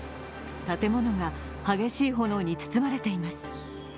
建物が激しい炎に包まれています。